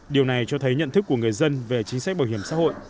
điều này cho thấy nhận thức của người dân về chính sách bảo hiểm xã hội